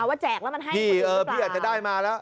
เอาว่าแจกแล้วมันให้มันต้องตามพี่เออพี่อาจจะได้มาแล้ว